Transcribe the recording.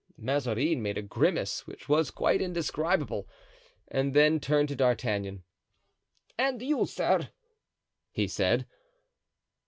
Mazarin made a grimace which was quite indescribable, and then turned to D'Artagnan. "And you, sir?" he said.